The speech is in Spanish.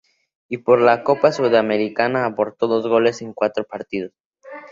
Y por la Copa Sudamericana aportó dos goles en cuatro partidos.